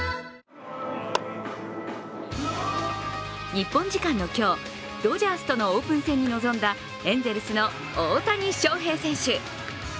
日本時間の今日、ドジャースとのオープン戦に臨んだエンゼルスの大谷翔平選手。